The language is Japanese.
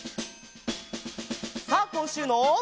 さあこんしゅうの。